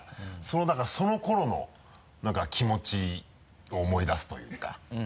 だからその頃の気持ちを思い出すというか。